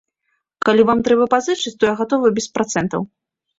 Калі вам трэба пазычыць, то я гатовы без працэнтаў.